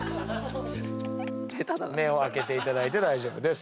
目を開けていただいて大丈夫です。